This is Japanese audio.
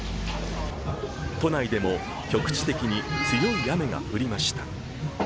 都内でも局地的に強い雨が降りました。